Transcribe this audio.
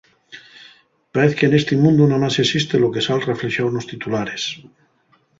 Paez que nesti mundu namás existe lo que sal reflexao nos titulares.